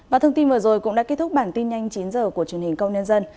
và thông tin vừa rồi cũng đã kết thúc bản tin nhanh chín h của truyền hình công nhân dân